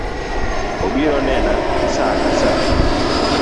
Obiro nena saa ka sa